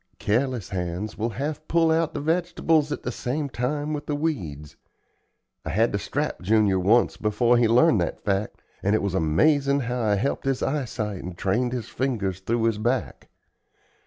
Careless hands will half pull out the vegetables at the same time with the weeds. I had to strap Junior once before he learned that fact, and it was amazin' how I helped his eyesight and trained his fingers through his back.